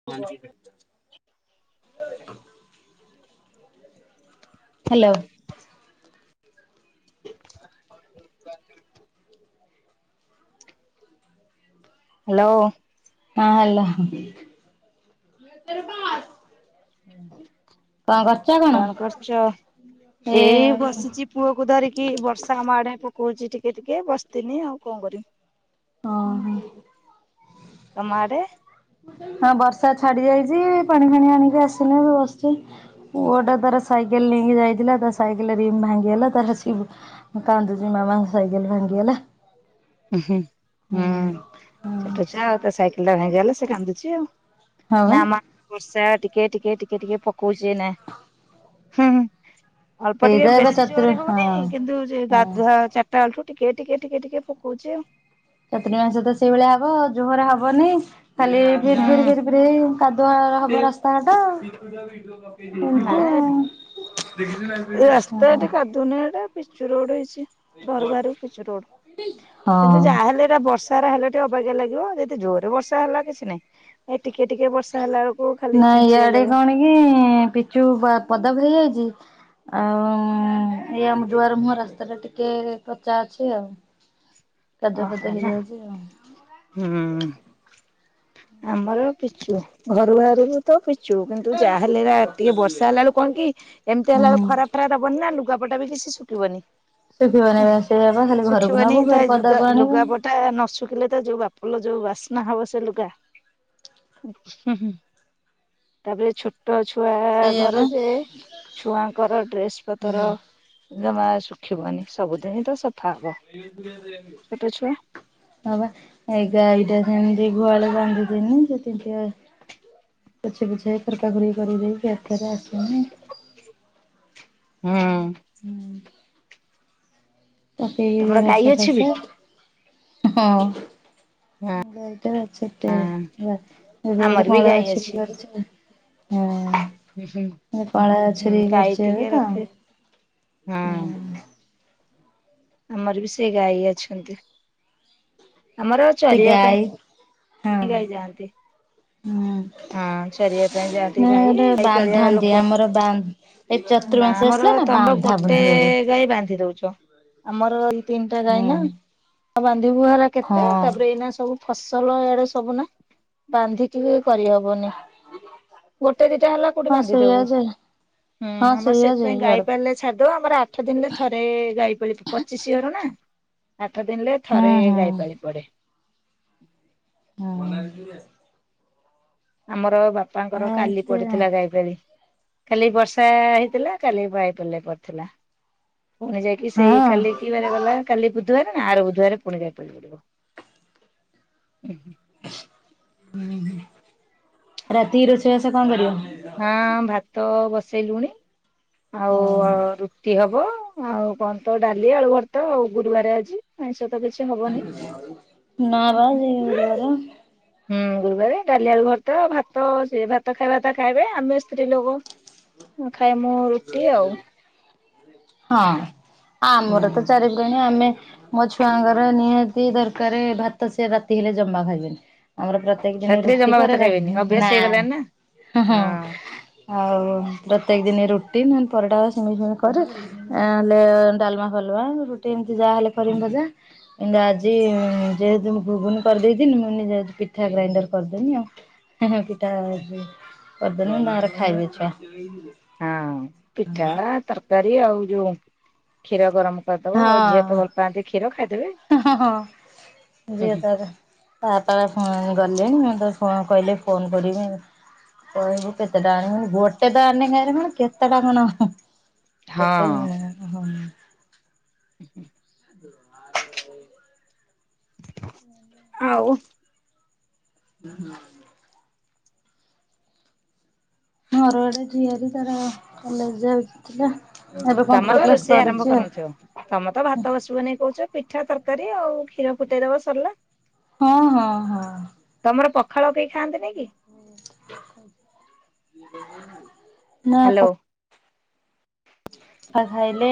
[unintelligible] Hello. [inaudible] Hello. ହଁ hello. [unintelligible] କଣ କ କଣ କରୁଛ? ଏଇ ବସିଛି ପୁଅକୁ ଧରିକି ବର୍ଷ ଆମ ଆଡେ ପକଉଛି ଟିକେ ଟିକେ ବସିଥିନି ଆଉ କଣ କରିବି। ହ ଆମଆଡେ? ହଁ ବର୍ଷା ଛାଡି ଯାଇଛି, ପାଣି ଫାଣି ଆଣିକି ଆସିନି ଏବେ ବସିଛି। ପୁଅଟା ତାର ସାଇକେଲ ନେଇକି ଯାଇଥିଲା। ତା ସାଇକେଲ ରିମ୍ ଭାଙ୍ଗିଗଲା। ତାର ଆସିକି ହଁ କାନ୍ଦୁଛି, ମାମା ସାଇକେଲ ଭାଙ୍ଗିଗଲା। ଉ ହୁଁ ହୁଁ ହୁଁ ଛୋଟଛୁଆ, ଆଉ ତା ସାଇକେଲ ଟା ଭାଙ୍ଗିଗଲା, ସେ କାନ୍ଦୁଚି ଆଉ। ହଁ ବା ନା ମା ବର୍ଷା ଟିକେ ଟିକେ ଟିକେ ଟିକେ ପକଉଛି ଏଇନା। ହୁଁ ହୁଁ। ଅଳ୍ପ ଏଇ ତ ଟିକେ ଏବେ ବେଶୀ ଚତୁର ଜୋରରେ ହଁ ହଉନି, କିନ୍ତୁ ହଁ ଗାଧୁଆ ଚାଟାବେଳଠୁ ଟିକେ ଟିକେ ଟିକେ ଟିକେ ପ କଉଛି। ଚତୁର ମାସିଆ ତ ସେଇଭଳିଆ ହବ। ଜୋର୍ ହବନି, ଖାଲି ବିର୍ ବିର୍ ହୁଁ ବିର୍ ରେ କାଦୁଆ ହବ ରାସ୍ତାଘାଟ। ନା ଏମିତି ଆଉ ଦୁନିଆ ଟା ପିଚୁ ରୋଡ ହେଇଛି। ଘରୁ ବାହାର ପିଚୁ ରୋଡ। କିନ୍ତୁ ହଁ। ଯାହାହେଲେ ପୁରା ବର୍ଷାରେ ହେଲେ ଟିକେ ଅବାଗିଆ ଲାଗିବ। ଯଦି ଜୋରରେ ବର୍ଷା ହେଲା କିଛି ନାଇଁ, ଏ ଟିକେ ଟିକେ ବର୍ଷା ହେଲା ଅ ନାଇ ଇଆଡେ କଣ କି, ପିଚୁ ବା ପଦାକୁ ହେଇ ଯାଇଛି। ଆଉ ଏ ଆମ ଦୁଆର ମୁହଁ ରାସ୍ତାଟା ଟିକେ କଚା ଅଛି ଆଉ। କାଦୁଅ ଫାଦୁଅ ଓହୋ ନା। ହେଇଯାଉଛି ଆଉ ହୁଁ ଆମର ପିଚୁ, ଘରୁ ବାହାରିବୁ ତ ପିଛୁ, କିନ୍ତୁ ଯାହା ହେଲେ ଆଜି ଟିକେ ବର୍ଷା ହେଲା ବେଳକୁ କଣ କି, ଏମିତି ହୁଁ। ହେଲାବେଳକୁ ଖରା ଫରା ଦବନି ନା, ଲୁଗାପଟା ବି କିଛି ଶୁଖିବନି। ଶୁଖିବନି ସେ, ଖାଲି ଘରକୁ ନବୁ ଫେର୍ ପଦାକୁ ଆଣିବୁ ଲୁଗା ପଟା ନ ଶୁଖିଲେ ତ ଜଉ ବାପଲ ଜଉ ବାସ୍ନା ହବ ସେ ଲୁଗା। ହୁଁ ହୁଁ, ତାପରେ ଛୋଟ ଛୁ ଛୁଆ ସେଇଆ ଘର ବା। ଯେ, ଛୁଆଙ୍କର ଡ୍ରେସ ପତର। ଜମା ଶୁଖିବନି, ସବୁଦିନ ହି ତ ସଫା ହବ। [inaudible] ଛୋଟ ଛୁଆ। ହଁବା ଏଇ ଗାଈଟା ସେମିତି ଗୁଆଳ ବାନ୍ଧୁଥିନି, ସେତିତି ପୋଛି ପୋଛାକି ଖରକା ଖରକି କରିଦେଇକି ଏଥର ଆସିନି। ହୁଁ। ପକେଇଲି ତମର ଗାଈ ହସ ଅଛି ବି ଭସ, ହଁ। [unintelligible] ଏବେ ଗୋଟେ ଆମର ବି କଅଁଳା ଗାଈ ବାଛୁରୀ ଅଛି। କରିଛି ନା ହଁ, କଅଁଳା ବାଛୁରୀ କରିଛି ଏବେ ତ। ହଁ। ଆମର ବି ସେଇ ଗାଈ ଅଛନ୍ତି। ଆମର ସେ ଚରିବା ଗାଈ ହଁ ପାଇଁ ଗାଇ ଯାଆନ୍ତି। ହୁଁ। ହଁ ଚରିବା ପାଇଁ ଯାଆନ୍ତି ନା ଗାଈ ଗୋଟେ ଗାଈ ପଳିଆ ବାନ୍ଧନ୍ତି ଲୋକ। ଆମର ବା ଏ [inaudible] ନା ଆମର, ଆସିଲା ନା ତମର ବାନ୍ଧା ଗୋଟେ ବୁନ୍ଧି ହେବେ ଗାଈ ବାନ୍ଧି ଦଉଛ। ଆମର ଏଇ ତିନିଟା ଗାଈ ହୁଁ ନା, ଆ ବାନ୍ଧିବୁହାରା ହଁ କେତେ ତାପରେ ଏଇନା ସବୁ ଫସଲ ଏଆଡେ ସବୁ ନା। ବାନ୍ଧିକି ବି କରିହବନି। ଗୋଟେ ଦିଟା ହେଲା କୋଉଠି ହଁ ସେଇଆ ବାନ୍ଧିଦବୁ। ଯେ ହୁଁ ହଁ ଆମର ସେଇଆ ଯେ ସେଥିପାଇଁ ଗାଇ ଇଆଡେ ପାଳି ଲେ ଛାଡି ଦଉ ଆମର ଆଠ ଦିନରେ ଥରେ ଗାଈ ପାଳି ପ ପଚିଶି ଘର ନା? ଆଠ ଦିନରେ ହୁଁ ଥରେ ହୁଁ ଗାଇପାଳି ପଡେ। ହୁଁ। ଆମର ବାପାଙ୍କର କାଲି ଏମତି ପଡିଥିଲା ଗାଈ ପଳି। କାଲି ବର୍ଷା ହେଇଥିଲା କାଲି ବାଇପାଲେ ପଡିଥିଲା ପୁଣି ଯାଇକି ସେଇ ହଁ କାଲି କି ବାରେ ଗଲା କାଲି ବୁଧବାର ନା ଆର ବୁଧବାର ପୁଣି ଗାଇ ପାଳି ପଡିବ ଉଁ ହୁଁ। ଉଁ ହୁଁ ରାତି ରୋଷେଇବାସ କଣ କରିବ? ହଁ ଭାତ ବସେଇଲୁଣି ଆଉ ହଁ ଅ ରୁଟି ହବ। ଆଉ କଣ ତ ଡାଲି ଆଳୁ ର୍ଭତା ଆଉ ଗୁରୁବାରେ ଆଜି ଆଇଁଶ ତ କିଛି ହବନି [unintelligible] ହୁଁ ଗୁରୁବାର ଡାଲିଆଳୁ ର୍ଭତା ଭାତ ସେ ଭାତ ଖାଇବାତା ଖାଇବେ ଆମେ ସ୍ତ୍ରୀ ଲୋକ ଉଁ ଖାଇ ମୁଁ ରୁଟି ଆଉ ଉଁ। କିଆଁଣି ଆମେ ମୋ ଛୁଆଙ୍କର ନିହାତି ଦରକାରେ ଭାତ ସେ ରାତି ହେଲେ ଜମା ଖାଇବେନି। ଆମର ପ୍ରତ୍ୟେକ ଦିନି ରାତିରେ ରୁଟି ଜମା ଭାତ କରେ ରା ଖାଇବେନି ଅଭ୍ୟାସ ନା ହେଇଗଲାଣି ହଁ ହଁ। ଆଉ ପ୍ରତ୍ୟେକ ଦିନି ରୁଟି ନହେଲେ ପରଟା ସିମେଇଁ ଫିମେଇ କରୁ। ଏ ହେଲେ ଡାଲମା ଫାଲମା ରୁଟି ଏମିତି ଯାହା ହେଲେ କରିବି ଭଜା। କିନ୍ତୁ ଆଜି ଯେହେତୁ ମୁଁ ଘୁଗୁନି କରିଦେଇଥିଲି ମୁଁ କହିନି ଯାଉଛି ପିଠା ଗ୍ରାଇଣ୍ଡର କରିଦେମି ଆଉ। ହେଁ ହେଁ ପିଠା ଏଯୋ କରିଦେଲେ ତାଙ୍କର ଖାଇବେ ଛୁଆ। ହଁ ପିଠା ତରକାରୀ ଆଉ ଯୋଉ କ୍ଷୀର ଗରମ କରିଦବ ହଁ। ଝିଅ ତ ଭଲ ପାଆନ୍ତି କ୍ଷୀର ଖାଇଦେବେ ହଁ ହଁ ହୁଁ ଯିଏ ହୁଁ। ତାର ତା ବାପା ଫୋ ଗଲେଣି ମୁଁ ତ ଫୋ କହିଲେ ଫୋନ କରିବି। କହିବୁ କେତେ ଟା ଆଣିବି ଗୋଟେ ତ ଆଣିଲେ କାହିଁରେ କଣ କେତେ ଟା କଣ ହଁ ହଁ। କେତେ ହଁ? ଉଁ ହୁଁ। [unintelligible] ଆଉ? ହୁଁ ହୁଁ। ମୋର ଗୋଟେ ଝିଆରି ତାର କଲେଜ ଯାଉଥିଲା ଏବେ ତମର କମ୍ପ୍ୟୁଟର କ୍ଲାସ ରୋଷେଇ ଆରମ୍ଭ କରୁଛି ଆଉ। କରିନଥିବ ତମେ ତ ଭାତ ବସିବ ନେଇ କହୁଛ ପିଠା ତରକାରୀ ଆଉ କ୍ଷୀର ଫୁଟେଇ ଦବ ସରିଲା। ହଁ ହଁ ହଁ। ତମର ପଖାଳ କେଇ ଖାଆନ୍ତିନି କି? ନା ହ୍ୟାଲୋ ପ ଫା ଖାଇଲେ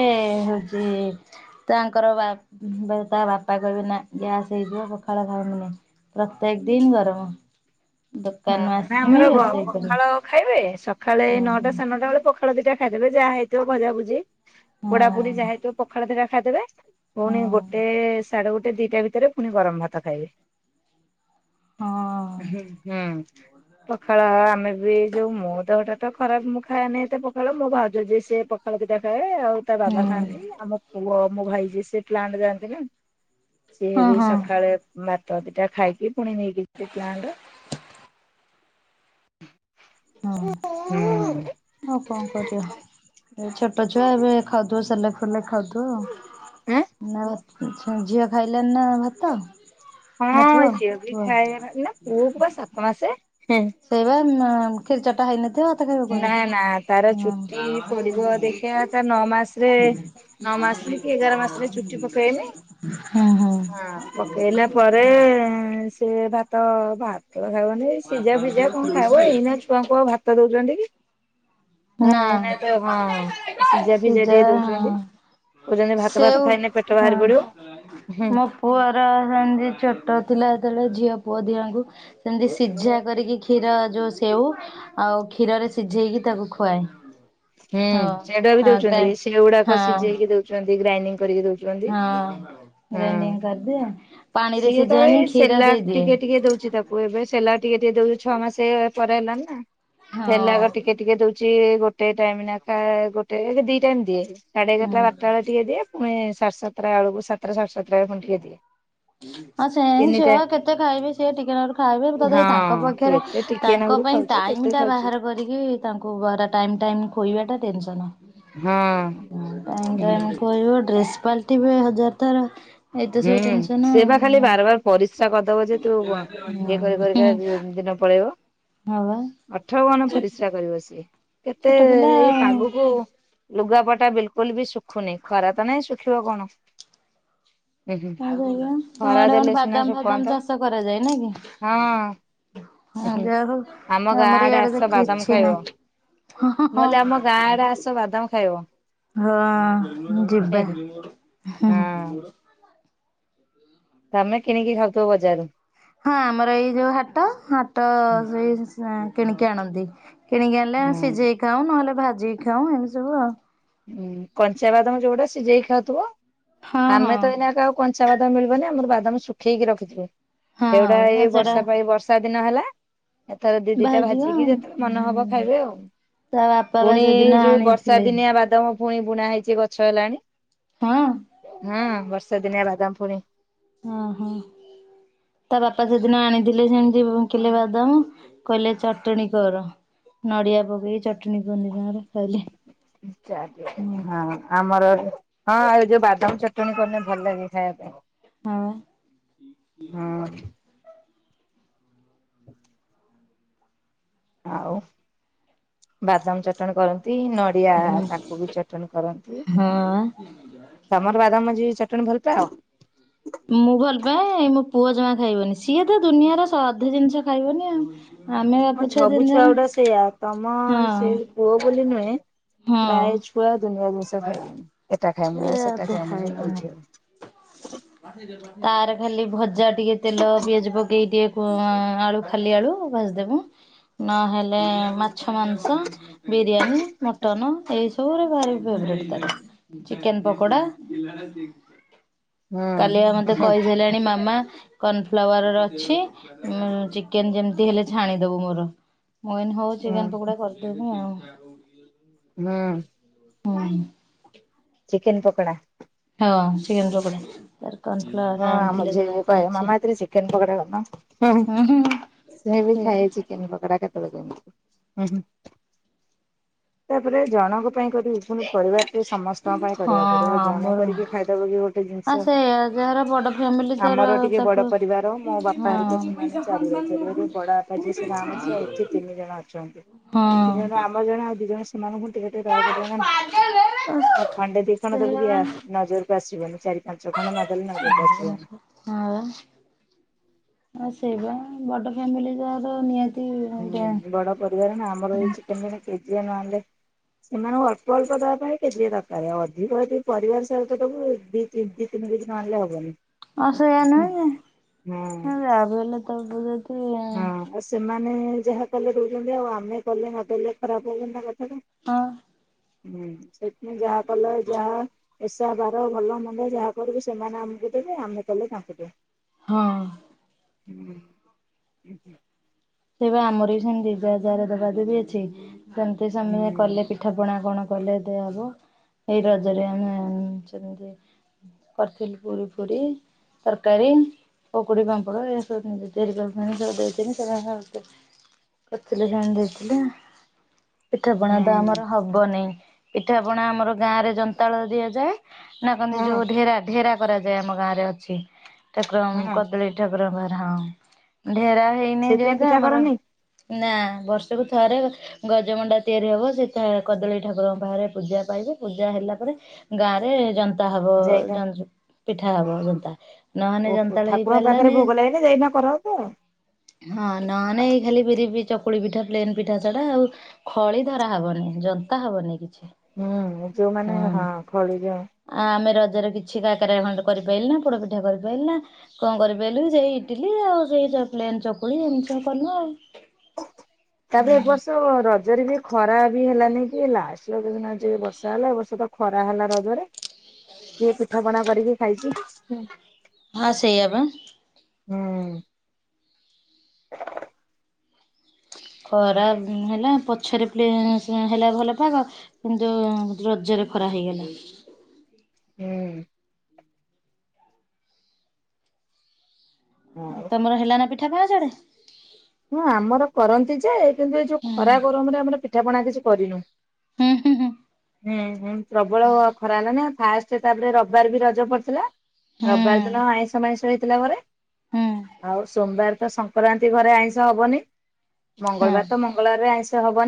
ହଉଛି ତାଙ୍କର ବା ତା ବାପା କହିବେ ନା ଗ୍ୟାସ୍ ହେଇଯିବ ପଖାଳ ଖାଇବିନି। ପ୍ରତ୍ୟେକ ଦିନ ଗରମ। ହୁଁ ଦୋକାନରୁ ନା ଆସିମି ଆମର ବ ରୋଷେଇ କରିବି। ପଖାଳ ଖାଇବେ ସକାଳେ ନଅଟା ହଁ ସାଢେ ନଅଟା ବେଳେ ପଖ ପଖାଳ ଦିଟା ଖାଇଦେବେ ଯାହା ହେଇଥିବ ଭଜାଭୁଜି ପୋଡା ପୋଡି ହଁ। ଯାହା ହେଇଥିବ ପଖାଳ ଦିଟା ଖାଇଦେବେ ହଁ ପୁଣି ଗୋଟେ ସାଢେ ଗୋଟେ ଦିଟା ଭିତରେ ପୁଣି ଗରମ ଭାତ ଖାଇବେ। ହଁ। ହୁଁ ହୁଁ। ପଖାଳ ଆମେ ବି ଯୋଉ ମୁଁ ଦେହଟା ତ ଖରାପ ମୁଁ ଖାଇଏନି ଏତେ ପଖାଳ ମୁଁ ଭାଉଜ ଯିଏ ସିଏ ପଖାଳ ଦିଇଟା ଖାଏ ଆଉ ତା ହୁଁ ବାବା ଖାଆନ୍ତି ଆମ ପୁଅ ମୋ ଭାଇ ଯିଏ ସିଏ ପ୍ଲାଣ୍ଟ ଯାଆନ୍ତି ନା ସିଏ ହଁ ବି ହଁ ସଖାଳେ ଭାତ ଦିଇଟା ଖାଇକି ପୁଣି ନେଇକି ଯି ପ୍ଲାଣ୍ଟ ହୁଁ ହଁ ଆଉ କଣ କରିବା। ଏଇ ଛୋଟ ଛୁଆ ଏବେ ଖାଉଥୁବ ସେଲାକ ଫେଲାକ ଖାଉଥୁବ ନା ଏ ଆଛା ଝିଅ ଖାଇଲାଣି ନା ଭା ହଁ ଝିଅ ବି ପୁଅ ଖାଏ ଭା ନା ପୁଅକୁ ପା ସାତ ମାସେ ହେଁ। ସେଇପା ନ କ୍ଷୀରି ଚଟା ହେଇନଥିବ ତ ନା ନା ତାର ଚୁଟି ପଡିବ ଦେଖିବା ତା ନଅ ମାସରେ ନଅ ମାସରେ କି ଏଗାର ମାସରେ ଚୁଟି [unintelligible] ପଡେ ପକେଇନି ହଁ ହଁ। ପରେ ସେ ଭାତ ଭାତ ତ ଖାଇବନି ଏଇ ସିଜା ଫିଜା କଣ ଖାଇବ ଏଇନା ଛୁଆଙ୍କୁ ଆଉ ଭାତ ଦୋଉଚନ୍ତି ନା ହଁ ସିଝା ଫିଜା ସିଜା ଟିକେ ଦଉଛନ୍ତି କହୁଛନ୍ତି ଭାତ ଭାତ ସେଉ ଖାଇଲେ ପେଟ ହଁ ବାହାରି ପଡିବ ହୁଁ ମୋ ପୁଅର ସେମତି ଛୋଟ ଥିଲା ଯେତେବେଳେ ଝିଅ ପୁଅ ଦିଜଣଙ୍କୁ ସେମତି ସିଝା କରିକି ଖି କ୍ଷୀର ଯୋଉ ସେଉ ଆଉ କ୍ଷୀରରେ ସିଝେଇକି ତାକୁ ଖୁଆଏ। ହୁଁ ହଁ ସେଇଟା ବି ହଁ ଗ୍ରା ଦୋଉଚନ୍ତି ସେ ଯୋଉଗୁଡାକ ହଁ ସିଜେଇକି ଦୋଉଚନ୍ତି ଗ୍ରାଇଣ୍ଡିଙ୍ଗ କରିକି ଦୋଉ ହଁ ଗ୍ରାଇଣ୍ଡି କରିଦିଏ ପାଣିରେ ସିଏ ସିଝାଏନି କ୍ଷୀର ଦେଇଦିଏ। ଆଉ ଏବେ ସେଲାକ ଟିକେ ଟିକେ ଦୋଉ ଛଅ ମାସେ ପରେ ହେଲାଣି ନା ହଁ ସେଲାକ ଟିକେ ଟିକେ ଦୋଉ ଚି ଗୋଟେ ଟାଇମ ନାଖା ଗୋଟେ ସେ ଦି ଟାଇମ୍ ଦିଏ ସାଢେ ଏଗାରଟା ହୁଁ। ବାରଟା ବେଳେ ଟିକେ ଦିଏ ପୁଣି ସାଡ ସାତଟା ବେଳକୁ ସାତଟା ସାଢେ ସାତଟ ବେଳେ ଫୁଣି ଟିକେ ଦିଏ। ହଁ ସେ ତିନିଟା ଛୁଆ କେତେ ଖାଇବେ ସିଏ ଟିକେ ନାଖୁରୁ ଖାଇବେ ତଥାପି ତାଙ୍କ ହଁ ପକ୍ଷର କେତେ ଟିକିଏ ତାଙ୍କ ନାକୁରୁ ପାଇଁ ଖାଉଛି କେତେ ଟାଇମିଟା ଖାଉଛି ବାହାର କରିକି ତାଙ୍କୁ ବହାରା ଟାଇମ ଟାଇମ ଖୋଇବାଟା ଟେନସନ। ହଁ। ଅଁ ଟାଇମ ହୁଁ ଟାଇମ କହିବ ଡ୍ରେସ ପାଲଟିବେ ହଜାର ଥର। ଏଇତ ସବୁ ଟେନସ ସେଇପା ଖାଲି ବାରବାର ପରିସ୍ରା କରିଦବ ଯେ ତୁ ଆ ଇଏ କରି କରିକା ଯି ଦିନ ପଳେଇବ। ହଁ ବା। ଅଠର ବହନ ପରିସ୍ରା କରିବ ସିଏ କେତେ ଛୋଟ ପିଲା ଏଇ ଆଉ ପାଗକୁ ଲୁଗାପଟା ବିଲକୁଲ ବି ଶୁଖୁନି ଖରା ତ ନାହିଁ ଶୁଖିବ କଣ। ହୁଁ ହୁଁ ହଁ [unintelligible] ତମେ ଖରା ଆଡେ କଣ ଦେଲେ ସିନା ବାଦାମ ଫାଦାମ ଶୁଖନ୍ତା ଚାଷ କରାଯାଏ ନା କି? ହଁ। ହଁ ହୁଁ ଯାହୋଉ ଆମ ଆ ଗାଁ ଆମର ଆଡେ ଇଆଡେ ଆସ ତ ବାଦାମ କିଛି ଖାଇବ ନା। ହ ହ ମୁଁ କହିଲି ଆମ ଗାଁ ଆଡେ ହଁ। ଆସ ବାଦାମ ଖାଇବ ହଁ ହଁ ଯିବା ହୁଁ ହଁ ହୁଁ ତମେ କିଣିକି ଖାଉଥୁବ ବଜାରରୁ। ହଁ ଆମର ଏଇ ଯୋଉ ହାଟ ହାଟ ହୁଁ ସେଇ ସ୍ କିଣିକି ଆଣନ୍ତି। କିଣିକି ଆଣଲେ ଆମେ ହୁଁ ସିଜେଇକି ଖାଉ ନହେଲେ ଭାଜିକି ଖାଉ ଏମିତି ସବୁ ଆଉ। ଉଁ କଞ୍ଚା ବାଦାମ ଯୋଉଟା ସିଜେଇକି ଖାଉଥୁବ ହଁ ଆମେ ହଁ। ତ ଏଇନାକେ ଆଉ କଞ୍ଚା ବାଦାମ ମିଳିବନି ଆମର ବାଦାମ ଶୁଖେଇକି ରଖିଥିବୁ ହଁ ସେଗୁଡା ହଁ ଏଇ ସେଟା ବର୍ଷା ପାଇଁ ବର୍ଷ୍ ଷା ଦିନ ହେଲା କେତଳେ ଦିଇ ଦିଇଟା ବାହାରିଯିବ ଆଉ। ଭାଜିକି ଯେତଳେ ମନ ହବ ଖାଇବେ ଆଉ। ତା ବାପା ବା ପୁଣି ଏଇ ସେଦିନ ଯୋଉ ବର୍ଷା ଆଣିଥିଲେ ଦିନିଆ ବାଦମ ପୁଣି ବୁଣା ହେଇଚି ଏ ଗଛ ହେଲାଣି। ହଁ। ହଁ ବର୍ଷା ଦିନିଆ ବାଦାମ ଫୁଣି ଓହୋ ତା ବାପା ସେଦିନ ଆଣିଥିଲେ ସେମତି ବ କିଲେ ବାଦାମ। କହିଲେ ଚଟଣ କର ନଡିଆ ପକେଇି ଚଟଣ ପନିବାର କହିଲେ। ହୁଁ ହଁ। ଆମର ହଁ ଏ ଯୋଉ ବାଦାମ ଚଟଣି କଲେ ଭଲ ଲାଗେ ଖାଇବା ପାଇଁ। ହଁ। ହଁ। [unintelligible] ଆଉ ବାଦାମ ଚଟଣି କରନ୍ତି ନ ନଡିଆ ତାକୁ ବି ଚଟଣ କରନ୍ତି। ହଁ। ତମର ବାଦାମ ଯ ଚଟଣି ଭଲପାଏ ଆଉ। ମୁଁ ଭଲ ପାାଏ ମୋ ପୁଅ ଜମା ଖାଇବନି ସିଏ ତ ଦୁନିଆର ସୁଆଦିଆ ଜିନିଷ ଖାଇବନି ଆଉ। ଆମେ ବାପ ହଁ ସବୁ ତିନି ଜଣ ଛୁଆ ଗୁଡା ସେଇଆ ତମ ହଁ ସେ ପୁଅ ବୋଲି ନୁହେଁ। ହଁ। ପୁରା ଦୁନଆ ଜିନିଷ ଖ ଏ ଖାଇ ସେ ମାନେ ସେଟା ଅଧେ ଖାଇ ମାନେ ଖାଇବନି। ଏଇଠି ତାର ଖାଲି ଭଜା ଟିକେ ତେଲ ପିଆଜ ପକେଇକି ଟିକେ ଆଳୁ ଖାଲି ଆଳୁ ଭାଜି ଦେବ ନହେଲେ ମାଛ ମାଂସ ବିରିଆନୀ ମଟନ ଏସବୁ ରେ ଭାରି ଚିକେନ୍ ପକୋଡ଼ା। କାଲିଆ ମତେ ହୁଁ କହିଦେଲେଣି ମାମା କର୍ନଫ୍ଲାୱାର ର ଅଛି ଚି କେନ୍ ଯେମ୍ତି ହେଲେ ଛାଣିଦବୁ ମୋର ମୁଁ ଏନ୍ ହଉ ଚିକେନ୍ ପକୋଡ଼ା କରି ଦେମି ଆଉ। ହୁଁ। [inaudible] ଚିକେନ୍ ପୋକୋଡ଼ା। ହାଁ ଅ ଚିକେନ୍ ପୋକ୍ଡ଼ା। ହଁ ଆଁ ମୋ ଝିଅ କଇବ ମାମା ଏତିରେ ଚିକେନ୍ ପକୋଡ଼ା କରୁନ ହୁଁ ହୁଁ। ସେ ବି ହୁଁ ଖାଏ ଚିକେନ୍ ପକ୍ଡ଼ା କେତବେଳେ କେମିତି। ତାପରେ ଜଣଙ୍କ ପାଇଁ କରିବି। ପୁଣି ପରିବାର୍ ଟି ସମସ୍ତଅଁ ପାଇଁ ହଁ କରିଆକୁ ପଡି଼ବ ଆଉ ଜଣେ ଆମର କରିକି ଖାଇଦବ କି ଗୋଟେ ହଁ ଜିନିଶ। ସେଇଆ ଯାହାର ବଡ ଫ୍ୟାମିଲି ତାର ଆମର ଟିକେ ବଡ଼ ତାକୁ ପରିବାର ମୋ ବାପା ହଁ ହେରିକା ସେମାନେ ଚାରି ବାଇ ସେଥିପାଇଁ ଯୋଉ ପଡ଼ା ଆଜି ସିନା ଆମ ସିଆ ଏଠି ତିନି ଜଣ ଅଛନ୍ତି ତିନି ଜଣ ହଁ ଆମର ଜଣେ ଆଉ ଦି ଜଣ ସେ ସେମାନଙ୍କୁ ଟିଏ ଟିଏ ଦଆକୁ ପଡିବ ନା ନାଇଁ ଆଉ ଖଣ୍ଡେ ଦି ଖଣ୍ଡ ଦବୁ ସେଇଆ ଯେ ବା। ଆ ନଜର୍ ଆସିବନି ଚାରି ପାଞ୍ଚ ଖଣ୍ଡ ନ ଦେଲେ ନାଇ ଘରକୁ ଆସିବେନି। ହଁ ବା ଆ ସେଇବା ବଡ ଫ୍ୟାମିଲି ମିଲି ଯାର ନିଆତି ହୁଁ ବଡ଼ ପରିବାର ନା ଆମର ଏ ଚିକେନ୍ ଏଣେ କେଜିଏ ନ ଆଣିଲେ ସେମାନଙ୍କୁ ଅଳ୍ପ ଅଳ୍ପ ଦବା ପାଇଁ କେଜିଏ ଦରକାରେ ଅଧିକ ୟଦି ପରିବାର୍ ସହିତ ଦବୁ ତିନ୍ ତି ତିନି କେଜି ନ ଆଣିଲେ ହବନି। ଅଁ ସେୟା ହଁ ନୁହେଁ ଯାଆ ବି ହେଲେ ତ ହଁ ଅ ସେମାନେ ଯାହା କଲେ ଦଉଚନ୍ତି ଆଉ ଆମେ କଲେ ନଦେଲେ ଖରାପ୍ ହଉବ ନା କଥାଟା ହଁ। ହୁଁ ସେଥି ଯା କଲ ଯାଆ ଏସା ବାର ଭଲ ମନ୍ଦ ଯାହା କରିବୁ ସେମାନେ ଆମ୍କୁ ଦେବେ ଆମେ କଲେ ତାଙ୍କୁ ଦୋବୁ। ଅଁ [inaudible] [inaudible] ଏବା ଆମରି ବି ସେମ୍ତି ଯା ଯାଆର ଦେବା ଦୁବି ଅଛି ସେମିତି ସେମାନେ କଲେ ହୁଁ ପିଠା ପଣା କଣ କଲେ ଦିଆଅବ ଏଇ ରଜରେ ଆମେ ଚେମିତି କର୍ଥିଲୁ ପୁରୀ ଫୁରି। ତର୍କାରୀ, ପକୁଡି଼, ପାମ୍ପଡ଼ ଏ ସବୁ ଜିନି ତିଆରି କରି ଆଣି ଦେଇଥିନି [unintelligible] କର୍ଥିଲେ ଜଣେ ଦେଇଥିଲେ, ପିଠାପଣା ତ ଆମର ହବ୍ ବନେଇ ପିଠା ପଣା ଆମର ଗାଁ ରେ ଯନ୍ତାଳ ଦିଆଯାଏ, ନା କନ୍ତି ଯୋଉ ହଁ ଢେରା ଢେରା କରାଯାଏ ଆମ ଗାଁରେ ଅଛି ଠାକୁରଙ୍କ୍ ହଁ କଦଳୀଇ ଠାକୁରଙ୍କ ପାଖରେ ହଁ। ଢେରା ହେଇନି ସେଥିପାଇଁ ଯେହେତୁ ପିଠା ଆମର କରନି ନା ବର୍ଷକୁ ଥରେ ଗଜମଣ୍ଡା ତିଆରି ହବ ସେତା କଦଳେଇ ଠାକୁରଙ୍କ୍ ପାଖରେ ପୂଜା ପାଇବେ ପୂଜା ହେଲା ପରେ ଗାଁ ରେ ଜନ୍ତା ହବ ଯାଇନା ଜନ୍ ଜ ପିଠା ହବ ଜନ୍ତା। ନହେଲେ ଓ ପୁ ଜନ୍ତାଳ ଠାକୁରଙ୍କ ପାଖରେ ହେଇପାରିଲାନି ଭୋଗ ଲାଗିଲେ ଯାଇନା କରାହବ ଆଉ। ହଁ ନ ନେ ଏଇ ଖାଲି ବିରିି ପି ଚକୁଳି ପିଠା ପ୍ଲେନ୍ ପିଠା ଛଡ଼ା ଆଉ। ଖଳି ଧରା ହବନେଇ ଜନ୍ତା ହବନି କିଛି। ହୁଁ ଯୋଉମାନେ ହଁ ଖଳି ଦିଅନ୍ ଆ ଆମେ ରଜରେ କିଛି କାକ୍ରା ଖଣ୍ଡେ କରିପାଇଲୁନା ପୋଡ଼ପିଠା କରିପାଇଲୁନା କଁ କାରିପାଇଲୁ ସେଇ ଇଟ୍ଲି ଆଉ ସେଇ ଚ ପ୍ଲେନ ଚକୁଳି ଏମ୍ କନୁ ଆଉ। ତାପରେ ଏ ବର୍ଷ ରଜ୍ ଜରେ ଜିଏ ଖରା ବି ହେଲାନି କି ଲାଷ୍ଟ୍ ରଜ ଦିନ ଯେ ବର୍ଷା ଏଲା ଏ ବର୍ଷ ତ ଖରା ହେଲା ରଜରେ କିଏ ପିଠା ପଣା କରିକି ଖାଇଚି। ହାଁ ସେୟା ବା। ହୁଁ। ଖରା ହେଲା ପଛରେ ପେ ହେଲା ଭଲ ପାଗ। କିନ୍ତୁ ରଜରେ ଖରା ହେଇଗଲା। ହୁଁ। ଆଉ ତମର ହେଲାନା ପିଠାପଣା ସିଆଡ଼େ। ହଁ ଆମର କରନ୍ତି ଯେ, କିନ୍ତୁ ଏ ଯୋଉ ଖରା ଗରମରେ ଆମର ପିଠାପଣା କିଛି କରିନୋଉ। ହୁଁ ହୁଁ ହୁଁ ହୁଁ ହଁ ପ୍ରବଳ ଖରା ହେଲା ନା। ଫାଷ୍ଟ ତାପରେ ରବିବାର ବି ରଜ ପଡ଼ିଥିଲା, ହୁଁ ରବିବାର ଦିନ ଆଇଁଷ ମାଇଁଷ ହେଇଥିଲା ଘରେ। ହୁଁ ଆଉ ସୋମବାର ତ ସଂକ୍ରାନ୍ତି ଘରେ ଆଇଁଷ ହବନି। ହୁଁ ହଁ। ମଙ୍ଗଳବାର ତ ମଙ୍ଗଳବାରରେ ଆଇଁଷ ହବନି।